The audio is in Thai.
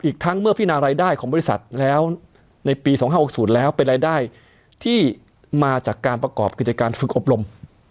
ทั้งเมื่อพินารายได้ของบริษัทแล้วในปี๒๕๖๐แล้วเป็นรายได้ที่มาจากการประกอบกิจการฝึกอบรม